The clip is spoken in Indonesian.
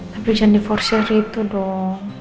tapi jangan di forci itu dong